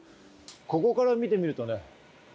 ここから見てみるとね。